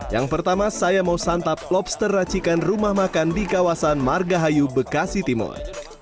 yang pertama saya mau santap lobster racikan rumah makan di kawasan margahayu bekasi timur